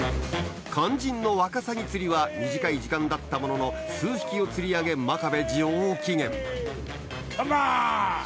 肝心のワカサギ釣りは短い時間だったものの数匹を釣り上げ真壁上機嫌カモン！